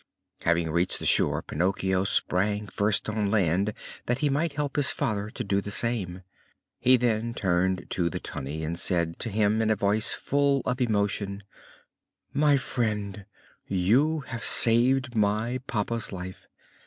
Having reached the shore, Pinocchio sprang first on land that he might help his father to do the same. He then turned to the Tunny and said to him in a voice full of emotion: "My friend, you have saved my papa's life.